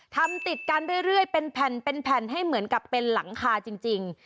ทำติดกันเรื่อยเป็นแผ่นเป็นแผ่นให้เหมือนกับเป็นหลังคาจริง